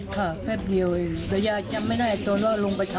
เขาร้องยังไงร้องให้ช่วย